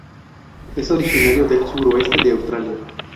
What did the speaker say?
Es originario del suroeste de Australia.